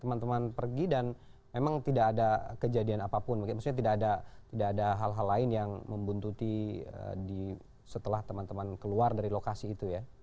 teman teman pergi dan memang tidak ada kejadian apapun maksudnya tidak ada hal hal lain yang membuntuti setelah teman teman keluar dari lokasi itu ya